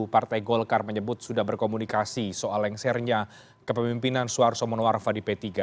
partai golkar menyebut sudah berkomunikasi soal lengsernya kepemimpinan soeharto monoarfa di p tiga